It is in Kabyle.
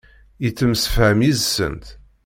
Yettemsefham yid-sent.